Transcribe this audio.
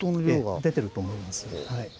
ええ出てると思います。